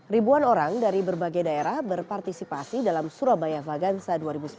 ribuan orang dari berbagai daerah berpartisipasi dalam surabaya vagansa dua ribu sembilan belas